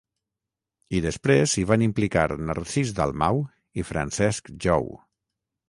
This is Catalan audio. I després s'hi van implicar Narcís Dalmau i Francesc Jou.